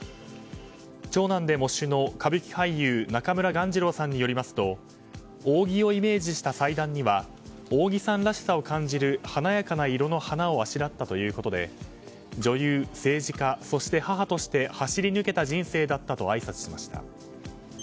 長男で喪主の歌舞伎俳優中村鴈治郎さんによりますと扇をイメージした祭壇には扇さんらしさを感じる華やかな色の花をあしらったということで女優、政治家、そして母として走り抜けた人生だったとあいさつしました。